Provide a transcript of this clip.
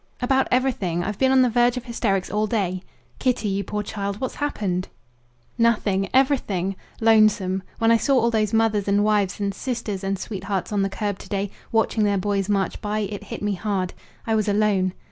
"About everything. I've been on the verge of hysterics all day." "Kitty, you poor child, what's happened?" "Nothing everything. Lonesome. When I saw all those mothers and wives and sisters and sweethearts on the curb to day, watching their boys march by, it hit me hard. I was alone.